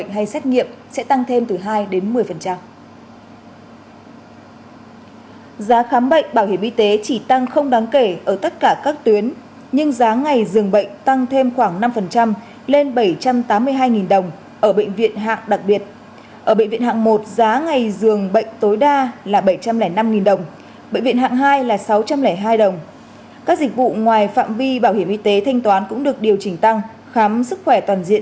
hãy đăng ký kênh để ủng hộ kênh của mình nhé